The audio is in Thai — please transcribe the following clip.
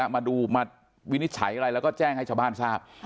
มาดูมาวินิจฉัยอะไรแล้วก็แจ้งให้ชาวบ้านทราบ